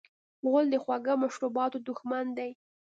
غول د خواږه مشروباتو دښمن دی.